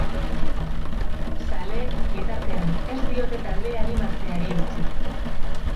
Zaleek, bitartean, ez diote taldea animatzeari utzi.